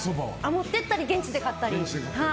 持って行ったり現地で買ったり。